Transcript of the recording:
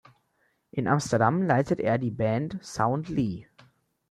In Amsterdam leitet er die Band "Sound-Lee!